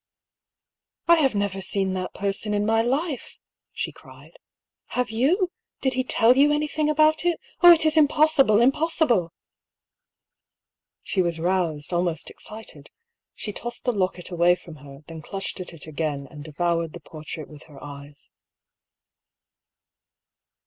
" I have never seen that person in my life !" she cried. " Have you ? Did he tell you anything about it ? Oh, it is impossible, impossible 1 " She was roused, almost excited. She tossed the locket away from her, then clutched at it again and de voured the portrait with her eyes.